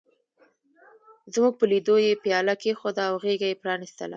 زموږ په لیدو یې پياله کېښوده او غېږه یې پرانستله.